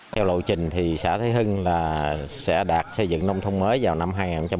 theo lộ trình thì xã thời hưng sẽ đạt xây dựng nông thôn mới vào năm hai nghìn một mươi chín